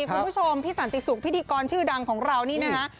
คุณผู้ชมพี่สันติสุขพิธีกรชื่อดังของเรานี่นะคะ